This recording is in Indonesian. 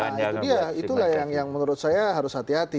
nah itu dia itulah yang menurut saya harus hati hati